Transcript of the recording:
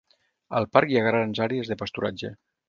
Al parc hi ha grans àrees de pasturatge.